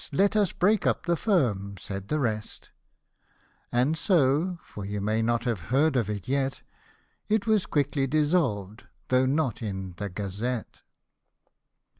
let us break up the firm," said the rest ; And so, for you may not have heard of it yet, It was quickly dissolved, though not in the gazette.